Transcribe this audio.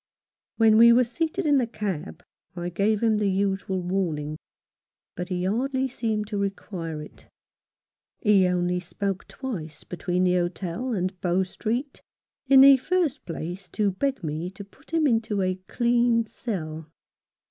When we were seated in the cab I gave him the usual warning, but he hardly seemed to require it. He only spoke twice between the hotel and Bow Street, in the first place to beg me to put him into a clean cell.